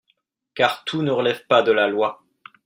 car tout ne relève pas de la loi.